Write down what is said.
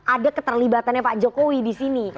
ada keterlibatannya pak jokowi disini